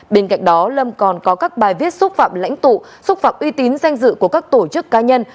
bên cạnh đó lâm còn có các bài viết xúc phạm lãnh tụ xúc phạm uy tín danh dự của các tổ chức cá nhân